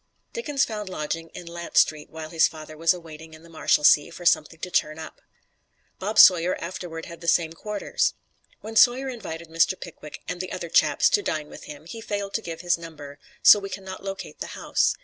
Dickens found lodgings in Lant Street while his father was awaiting in the Marshalsea for something to turn up. Bob Sawyer afterward had the same quarters. When Sawyer invited Mr. Pickwick "and the other chaps" to dine with him, he failed to give his number, so we can not locate the house.